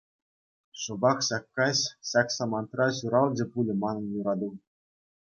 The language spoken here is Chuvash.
Шӑпах ҫак каҫ, ҫак самантра ҫуралчӗ пулӗ манӑн юрату.